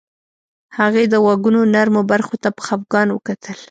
هغې د غوږونو نرمو برخو ته په خفګان وکتل